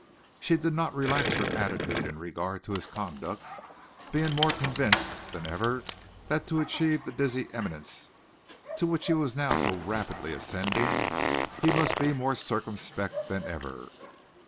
She did not relax her attitude in regard to his conduct, being more convinced than ever that to achieve the dizzy eminence to which he was now so rapidly ascending, he must be more circumspect than ever.